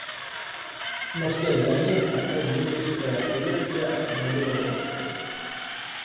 Но вслед за ним опять дружеское приветствие остановило Вронского.